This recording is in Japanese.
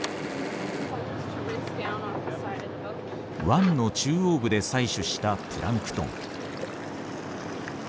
湾の中央部で採取したプランクトン。